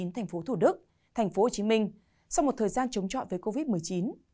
thành phố thủ đức thành phố hồ chí minh sau một thời gian chống chọi với covid một mươi chín